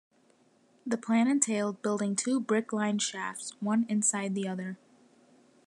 The plan entailed building two brick-lined shafts, one inside the other.